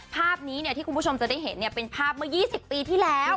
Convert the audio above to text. ภาพนี้ที่คุณผู้ชมจะได้เห็นเป็นภาพเมื่อ๒๐ปีที่แล้ว